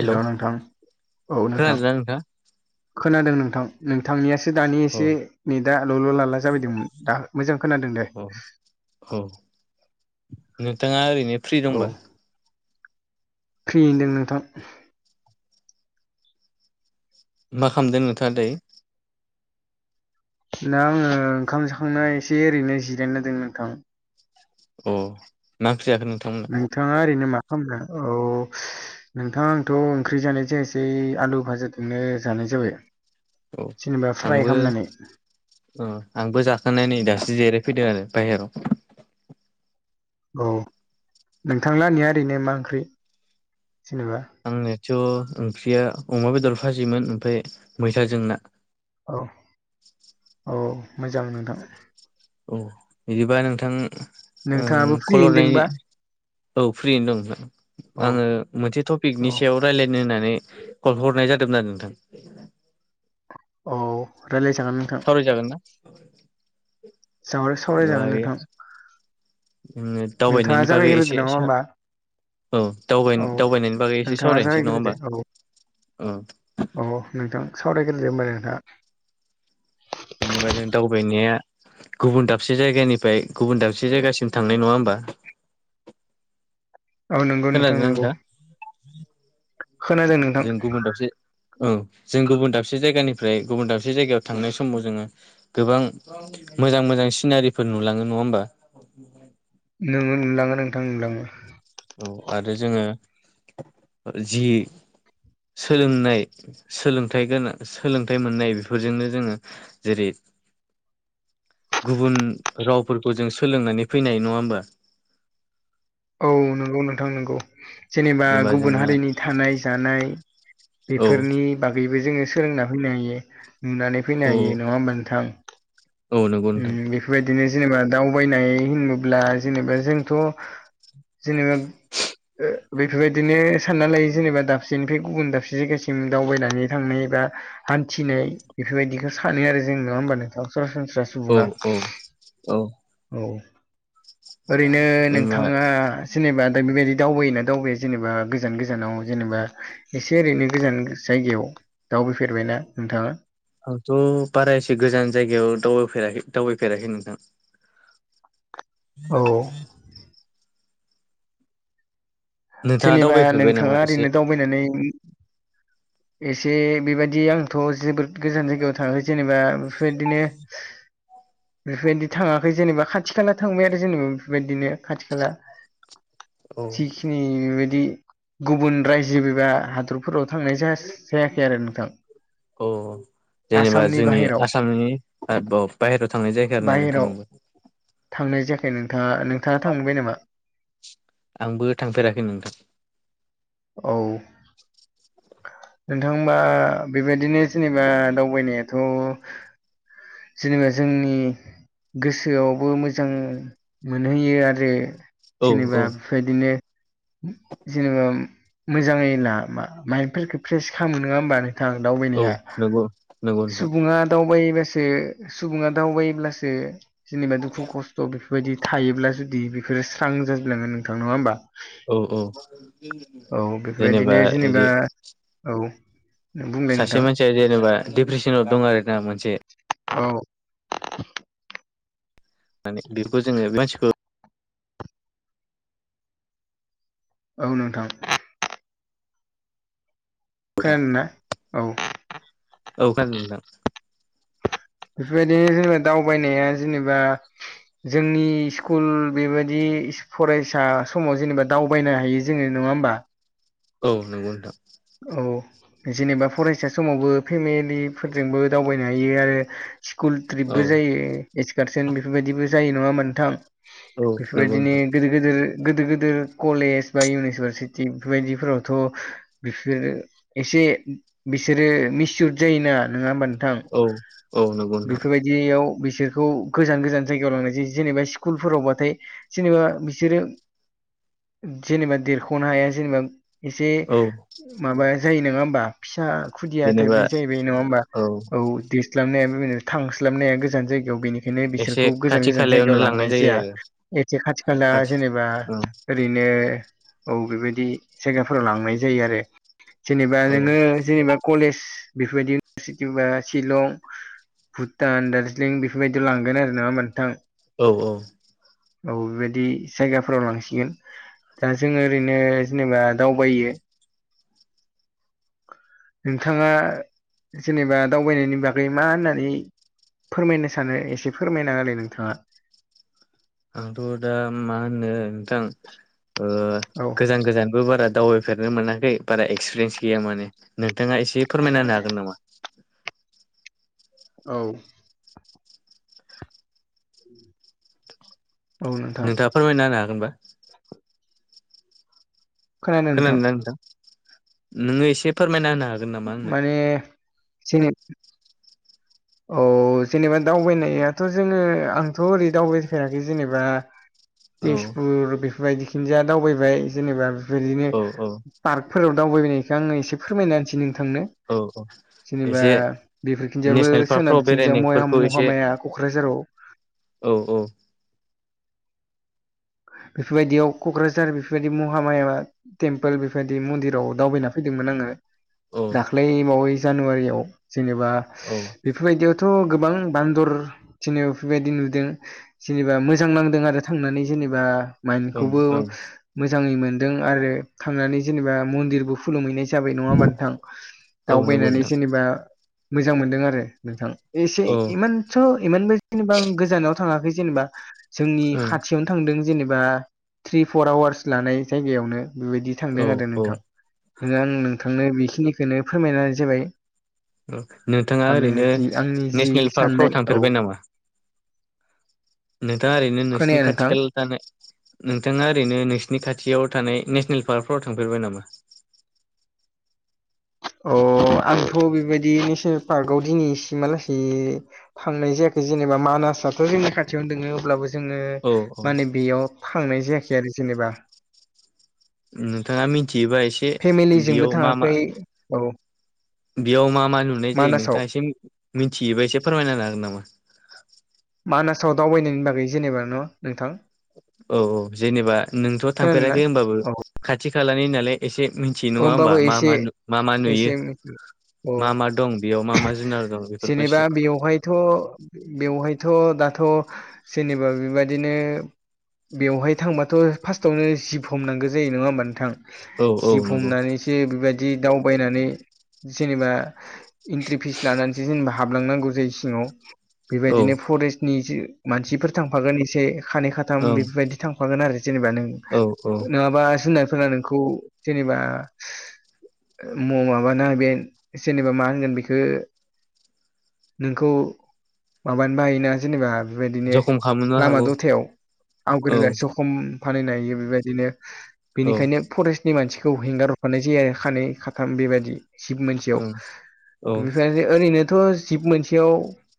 Hello नोंथां औ नोंथां खोनादोंना नोंथाङा? खोनादों नोंथां? नोंथांनियासो दानि अ एसे नेदा ल'ल' लाला जाबायदोंमोन दा मोजां खोनादों दे अ औ नोंथाङा ओरैनो फ्रि दंबा? फ्रियैनोदों नोंथां मा खामदों नोंथाङा दायो दा आङो ओंखाम जाखांना‌ एसे ओरैनो जिरायना दोङो नोंथां अ मा ओंख्रि जाखो नोंथांमोना? नोंथाङा ओरैनो मा खामदो औ नोंथां आंथ' ओंख्रि जानाय जायासै आलु भाजादोंनो जानाय जाबाय औ जेनेबा फ्राय खालामनानै अ आंबो जाखांना नै दासो जिरायफैदों आरो बाहेराव औ नोंथांलाहानिया ओरैनो मा ओंख्रि जेनेबा आंनियाथ' ओंख्रिया अमा बेदर फाजियोमोन ओमफ्राय मैथाजों ना अ औ मोजां नोंथां औ बिदिबा नोंथां आं नोंथाङाबो फ्रि कल हरनायनि होनदोंबा औ फ्रियैनो दं नोंथां औ आङो मोनसे टपिकनि औ सायाव रायलायनो होननानै कलखौ हरनाय जादोंमोन आरो नोंथां अ रायलाय जागोन नोंथां सावराय जागोन ना सावराय सावरायजागोन जायो नोंथां नोंथाङा दावबायनायनि बागै जागायग्रोदो एसे नामा सा होमबा औ दावबाय औ दावबायनायनि बागौ एसे नोंथाङा सावरायनोसै नंङा जागायग्रोदो होमबा औ औ औ नोंथां सावरायग्रोदो नोंथाङा जेनबा जों दावबायनाया गुबुन दाबसे जायगानिफ्राय गुबुन दाबसे जायगासिम थांनाय नङा होमबा? औ नंगौ नोंथां खोनादोंना नंगौ नोंथाङा खोनादों नोंथां जों गुबुन दाबसे औ जों गुबुन दाबसे जायगानिफ्राय गुबुन दाबसे जायगायाव थांनाय समाव जोङो गोबां मोजां मोजां सिनारिफोर नुलाङो नङा होमबा? नंगौ नोंथां नुलाङो नोंथां नुलाङो औ आरो जोङो जि सोलोंनाय सोलोंथाइ गोनां सोलोंथाइ मोननाय बेफोरजोंनो जोङो जेरै गुबुन रावफोरखौ जों सोलोंनानै फैनो हायो नङा होमबा? औ नंगौ नोंथां नंगौ जेनबा जेनेबा गुबुन जोङो हारिनि थानाय जानाय औ बेफोरनि बागैबो जोङो सोलोंना फैनो हायो नुनानै औ फैनो हायो नङा होमबा नोंथां औ नंगौ नोंथां ओम बेबायदिनो जेनबा दावबायनाय होनोब्ला जेनेबा जोंथ' जोङो बेफोरबायदिनो सानना लायो जेनबा दाबसेनिफ्राय गुबुन दाबसे जायगासिम दावबायनानै थांनाय बा हान्थिनाय बेफोरबायदिखौ सानो आरो जों नङा होमबा नोंथां सरासरासनस्रा। सुबुंआ औ औ औ औ ओरैनो नोंथां जेनेबा नोंथाङा जेनबा दा बेबायदि दावबायोना दावबायायो जेनेबा गोजान गोजानाव जेनेबा एसे ओरैनो गोजान जायगायाव दावबायफेरबायना नोंथाङा? आंथ बारा एसे गोजान जायगायाव दावबायफेराखै दावबायफेराखै नोंथां? औ नोंथाङा जेनबा दावबायफेरबाय नामा नोंथाङा एसे ओरैनो दावबायनानै एसे बेबायदि आंथ जोबोद गोजान जायगायाव थाङासै जेनेबा बेफोरबायदिनो बेफोरबायदि थाङाखै जेनेबा खाथि खाला थांबाय आरो जेनेबा बेफोरबायदिनो खाथि खाला औ जिखिनि बेबायदि गुबुन रायजो एबा हादरफोराव थांनाय जाय सेस जायाखै आरो नोंथां औ जेनेबा आसामनि जोंनि बाहेराव आसामनि बायह्रेरायाव थांनाय जायगा आरो ना नोंथां। बाहेराव थांनाय जायाखै नोंथाङा नोंथाङा थांबाय नामा? आंबो थांफेराखै नोंथां। औ [inaudible] नोंथां होनबा बेबायदिनो जेनेबा दावबायनायाथ जेनबा जोंनि गोसोआवबो मोजां मोनहैयो आरो औ जेनबा औ बेबायदिनो जेनेबा मोजाङै ला बा माइ बेफोरखौ फ्रेस खालामो नङा होमबा? थां औ दावबायनाया नंगौ नंगौ नोंथां सुबुङा दावबायबासो सुबुङा दावबायोब्लासो जेनेबा दुखु खस्थ स' बेफोरबायदि थायोब्ला जुदि बेफोरो स्रां जाजोबलाङो नोंथां नङा होमबा? औ औ औ जेनेबा बेफोरबायदिनो जेनेबा बिदि औ बुंलाय सासे नोंथां मानसिया जेनेबा डिप्रेसनाव दं आरोना मोनसे औ नानै बेखौ जोंङो बे मानसिखौ औ नोंथां नोंथां खोनादों ना औ औ खानादों नोंथां बेफोरबायदिनो जोंनो दावबायनाया जेनेबा जोंनि स्कुल बेबायदि फरायसा समाव जेनेबा दावबायनो हायो जोंङो नंङा होमबा औ नंगौ नोंथां औ जेनेबा फरायसा समावबो फेमिलिफोरजोंबो दावबायनो हायो आरो स्कुल औ ट्रिपबो जायो एसकारसन बेफोरबायदिबो जायो नंङा होमबा नोंथां औ नंगौ बेफोरबायदिनो नोंथां गोदो गोदो गोदोर गोदोर कलेज बा इउनिभारसिटि बेफोरबायदिफोरावथ' बिसोरो एसे बिसोरो मिसुरद जायोना नंङा होमबा नोंथां? औ औ नंगौ नोंथां बेफोरबाय दियाव बिसोरखौ गोजान गोजान जायगायाव लांनाय जायो जेनेबा स्कुलफोरावबाथाय जेनेबा बिसोरो जेनेबा देरख'नो हाया जेनेबा एसे औ माबा जायो नोंङा होमबा फिसा खुदिया जेनेबा टाइपनि जाहैबाय नंङा होमबा औ औ स्लाबनो हाया बेनो थांस्लाबनाया गोजान जायगायाव बेनो बेखायनो बिसोरखौ एसे गोजान खाथि गोजान खालायावनो जायगायाव लांनाय जायो जाया आरो एसेे खाथि खाला जेनेबा औ ओरैनो औ बेबायदि जायगाफोराव लांनाय जायो आरो जेनेबा नोंङो औ जेनेबा कलेज बेफोरबायदि इउनिभारसिटि बा शिलं भुटान दार्जिलिं बेफोरबायदियाव लांगोन आरो नंङा होनबा नोंथां औ औ औ बेबायदि जायगाफोराव लांसिगोन दा जोंङो ओरैनो जेनेबा दावबायो नोंथांङा जेनेबा दावबायनायनि बागै मा होननानै फोरमायनो सानो एसे फोरमायनाहोलाय नोंथांङा आंथ' दा मा होननो नोंथां ओ औ गोजान गोजानबो बारा दावबाय फेरनो मोनाखै बारा एक्सपिरियेन्स गैया माने नोंथांङा एसे फोरमायना होनो हागोन नामा? औ औ नोंथां नोंथाङा फोरमायना होनो हागोनबा? खोनादों ना नोंथां? नोङो एसे फोरमायना होनो हा माने जेने औ जेनेबा दावबायनायाथ' जोंङो आंथ' ओरै दावबायफेराखै जेनेबा औ तेजपुर बेफोरबायदिथिंजा दावबायबाय जेनेबा बेफोरबायदिनो औ औ पार्क फोराव दावबायनायखौ आंङो एसे फोरमायना होनोसै नोंथांनो औ औ जेनेबा एसे बेफोरखिनजाबो नेसनेल दा पार्कफ्राव बेथिंजा बेरायनायफोरखौ एसे मया-महामाया क'क्राझाराव औ औ बेफोरबायदियाव क'क्राझार बेफोरबायदि महामाया टेम्पोल बेफोरबायदि मन्दिराव दावबायना फैदोंमोन आंङो औ दाख्लै बावै जानुवारियाव जेनेबा औ बेफोरबायदियाव थ' गोबां बान्दर जेनेबा बेफोरबायदि नुदों जेनेबा मोजां नांदों आरो थांनानै जेनेबा ओं मायनदखौबो ओं मोजाङै मोनदों आरो थांनानै जेनेबा मन्दिरबो खुलुमहैनाय हिसाबै नङा होमबा नोंथां औ नंगौ दावबायनानै नोंथां जेनेबा मोजां मोनदों आरो नोंथां एसे औ इमान थ' इमानबो जेनेबा गोजानाव थाङाखै जेनेबा जोंनि ओं खा यावनो थांदों जेनेबा थ्रि फर आवार्स लानाय जायगायावनो बेबायदि थांदों औ आरो औ नोंथां नोङो आं नोंथांनो बेखिनिखौनो फोरमायनाय जाबाय औ नोंथाङा ओरैनो आंनि जि नेसनेल पार्कफ्राव साननाय औ थांफेरबाय नोंथाङाओरैनो नोंसोरनि खोनाया खाथि नोंथां खाला थानाय नोंथाङा ओरैनो नोंसिनि खाथियाव थानाय नेस्नेल पार्कफ्राव थांफेरबाय नामा? अ आंथ' बेबायदि नेसनेल पार्कआव दिनैसिमालासे थांनाय जायाखै जेनेबा मानासआथ' जोंनि खाथियावनो दोङो अब्लाबो जोङो औ औ माने बेयाव फांनाय जायाखै आरो जेनेबा नोंथाङा मिथियोबा एसे फेमिलिजोंबो बेयाव मा मा थाङाखै औ बेयाव मा मा नुनाय जायो मानासाव नोंथाङा एसे मिथियोबा एसे फोरमायना होनोहागोन नामा मानासाव दावबायनायनि बागोय जेनेबा न नोंथां औ औ जेनेबा नोंथ' खोनादों ना थांफेराखै होमबाबो औ खाथि खालानि नालाय एसे मिथियो नङा होमबा होमबाबो मा एसे मा नु मा मा एसे नुयो औ मा मा दं बेयाव मा मा जुनार दं बेफोरखौ एसे थ' बेवहायथ' दाथ' जेनेबा बेबायदिनो बेवहाय थांबाथ' फार्स्टआवनो जिभ हमनांगौ जायो नङा होमबा नोंथां औ औ जिभ नंगौ हमनानैसो बेबायदि दावबायनानै जेनेबा इन्ट्रि फिस लानानैसो जेनेबा हाबलांनांगौ जायो सिङाव औ बेबायदिनो फरेस्टनि जो मानसिफोर थांफागोन एसे खानै खाथाम ओं बेफोरबायदि थांफागोन आरो जेनेबा नों औ औ नङाबा जुनारफोरा नोंखौ जेनेबा म माबाना बे जेनेबा मा होनगोन बेखौ नोंखौ माबानो हायोना जेनेबा बेबायदिनो जखम खालामनो लामा हागौ दथायाव औ आवग्रिलाय खम फाननो हायो बेबायदिनो औ बेनिखायनो फरेस्ट नि मानसिखौ हेंगार हरफानाय जायो खानै खाथाम बेबायदि जिब मोनसेयाव ओं औ बेफ्राय ओरैनोथ' जिब मोनसेयाव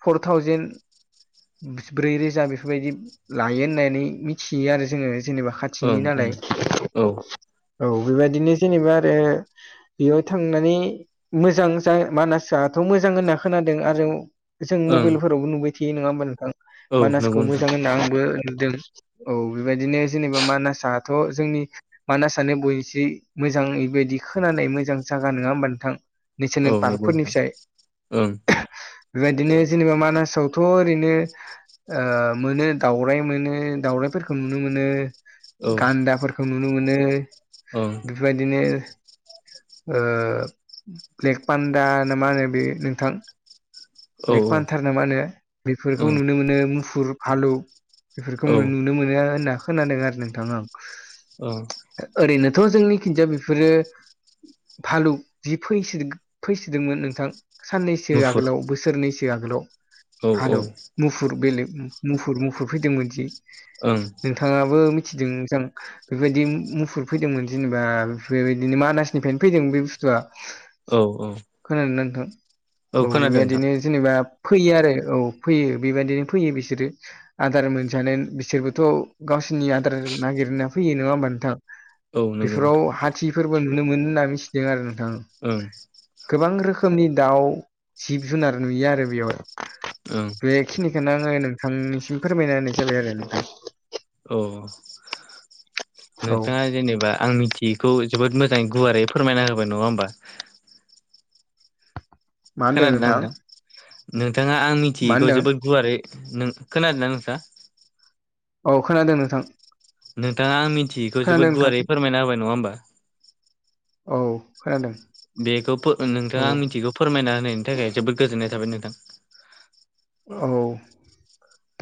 फर थावजेेन ब्रै रोजा बेफोरबायदि लायो होननानै मिथियो आरो जोङो जेनेबा खाथिनि ओं नालाय ओं औ बेबायदिनो जेनेबा आरो बेयाव थांनानै मोजां जा-मानासथ' होनना खोनादों आरो जों ओं मबाइलफोरावबो नुबाय थायो नङा होमबा नोंथां औ मानासखौ नंगौ नोंथां मोजां होनना आंबो नुदों औ बेबायदिनो जेनेबा मानासथ' जोंनि मानास सानो बयनिस मोजां बेबायदि खोनानाय मोजां जागा नङा होमबा नोंथां औ नेसनेल नंगौ नोंथां पार्कफोरनिसाय ओं बेबादिनो जेनेबा मानासावथ' ओरैनो ओ मोनो दाउराय मोनो दाउरायइफोरखौ नुनो मोनो औ गान्दाफोरखौ नुनो मोनो ओं बेफोर बायदिनो। ओ ब्लेक पान्दा ना मा होनो बे नोंथां। औ ब्लेग ओं फान्थार ना मा होनो बेफोरखौ नुनो मोनो मुफुर भालु। बेफोरखो औ नुनो मोनो होनना खोनादों आरो नोंथां आं। औ। ओरैनोथ जोंनि खिजा बेफोरो। भालु जि फैसो- फैसोदोंमोन नोंथां। साननैसो मुफुर आगोलाव बोसोरनैसो आगोलाव औ औ भालु मुफुर बेलेग मुफुर -मुफुर फैदोंमोन थिं ओं। नोंथाङाबो मिथिदों जां बेफोरबायदि मुफुर फैदोंमोन जेनेबा बेबायदिनो मानासनिफ्रायनो बे बुस्थुआ। औ -औ। खोनादों ना नोंथां औ खोनादों नोंथां बेबायदिनो जेनेबा फैयो आरो औ फैयो बेबायदिनो फैयो बिसोरो। आदार मोनजानो बिसोरबोथ' गावसिनि आदार नागिरनो फैयो नङा होमबा नोंथां? औ नंगौ बेफोराव हाथिफोरबो नुनो मोनो होनना मिथिदों आरो नोंथां। गोबां रोखोमनि दाउ जिब- जुनार नुयो आरो बेयाव। ओं। बेखिनिखौनो आङो नोंथांनिसिम फोरमायना होननाय जाबाय आरो नोंथां। औ औ नोंथाङा जेनेबा आं मिथि -यैखौ जोबोद मोजाङै गुवारै फोरमायना होबाय नङा होमबा? मा होनदों खोनादोंना नोंथां? नोंथाङा आं मा मिथियैखौ होनदों जोबोद गुवारै नों- खोनादों ना नोंथाङा? औ खोनादों नोंथां। नोंथाङा आं मिथियैखौ खोनादों जोबोद नोंथां गुवारै फोरमायना होबाय नङा होमबा? औ खोनादों। बेखौ फो- औ नोंथाङा आं मिथिगौ फोरमायना होनायनि थाखाय जोबोद गोजोननाय थाबाय नोंथां। औ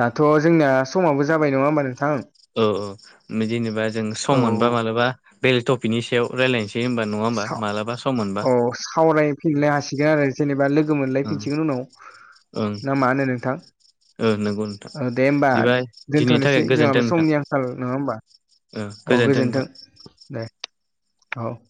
दाथ जोंनिया समाबो जाबाय नङा होमबा नोंथां? औ- औ जेनेबा जों सम मोनबा औ मालाबा बेले टपिकनि सायाव रायजलायनोसै हमबा नङा होमबा मालाबा सम मोनबा? सावराय फिननो हासिगोन आरो जेनेबा लोगो लोगो मोनलाय ओं फिनसिगोन उनाव ओं ना मा होनो नोंथां? ओ नंगौ नोंथां औ दे होमबा बिदिबा दिनैनि थाखाय दोनथ'नोसै जोंहाबो समनि आंखाल नङा होमबा? ओं औ गोजोनथों गोजोन्थों नोंथां। दे औ।